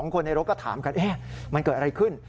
คนในรถก็ถามกันมันเกิดอะไรขึ้น